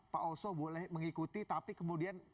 pak oso boleh mengikuti tapi kemudian